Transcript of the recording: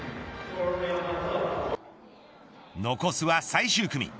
残すは最終組。